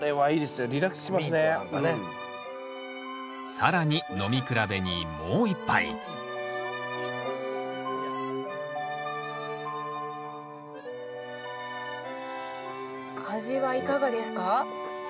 更に飲み比べにもう一杯味はいかがですか？